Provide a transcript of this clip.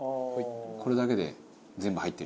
これだけで全部入ってるやつだ。